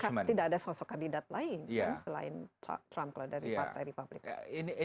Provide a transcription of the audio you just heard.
karena tidak ada sosok kandidat lain selain trump dari partai republikan